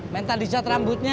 minta dicat rambutnya